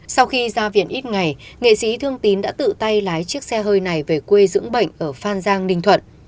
sau khi ra viện ít ngày nghệ sĩ thương tín đã tự tay lái chiếc xe hơi này về quê dưỡng bệnh ở phan giang ninh thuận